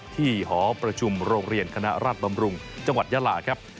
หอประชุมโรงเรียนคณะราชบำรุงจังหวัดยาลาครับ